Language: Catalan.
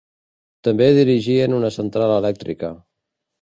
També dirigiren una central elèctrica.